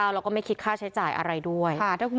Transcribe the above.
แล้วก็ไม่คิดค่าใช้จ่ายอะไรด้วย